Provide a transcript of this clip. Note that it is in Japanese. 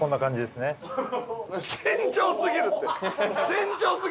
船長すぎるって！